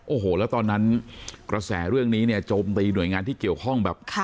โอ้โหแล้วตอนนั้นกระแสเรื่องนี้เนี่ยโจมตีหน่วยงานที่เกี่ยวข้องแบบ